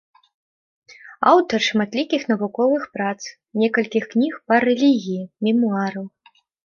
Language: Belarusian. Аўтар шматлікіх навуковых прац, некалькіх кніг па рэлігіі, мемуараў.